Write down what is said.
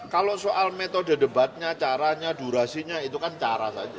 kalau soal metode debatnya caranya durasinya itu kan cara saja